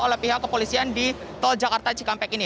oleh pihak kepolisian di tol jakarta cikampek ini